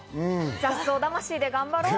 雑草魂で頑張ろう！